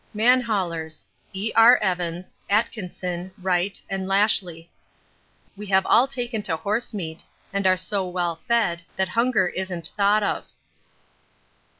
Man haulers: E. R. Evans, Atkinson, Wright, and Lashly. We have all taken to horse meat and are so well fed that hunger isn't thought of.